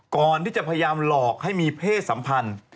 ก่อนที่จะพยายามหลอกให้มีเพศสัมพันธ์